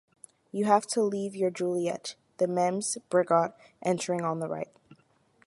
You have to leave your Juliette” “ The Mêmes, Brigot, entering on the right.